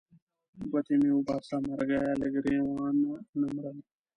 ګوتې مې وباسه مرګیه له ګرېوانه نه مرم.